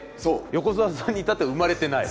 横澤さんに至っては生まれてない？